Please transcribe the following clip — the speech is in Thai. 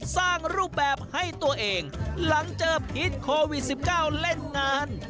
สร้างรูปแบบให้ตัวเองหลังเจอพิษโควิด๑๙เล่นงาน